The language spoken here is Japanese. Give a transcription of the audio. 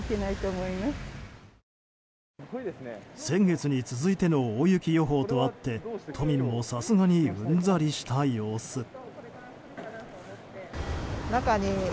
先月に続いての大雪予報とあって都民もさすがにうんざりした様子。